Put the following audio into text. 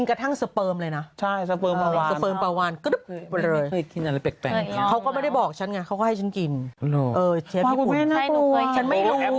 ครูแม่เหมาะน่าจะอยู่กันที่ตัวคุณพ่อคุณพ่อนักท่านว่ากินสเปิร์ม